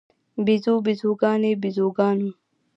بیزو، بیزوګانې، بیزوګانو